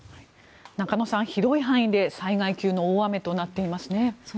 中野さん、広い範囲で災害級の大雨となっていますね。